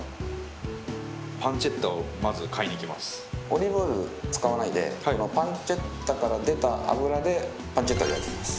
オリーブオイルを使わないでこのパンチェッタから出た脂でパンチェッタを焼きます。